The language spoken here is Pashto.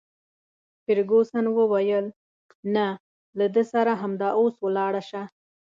فرګوسن وویل: نه، له ده سره همدا اوس ولاړه شه.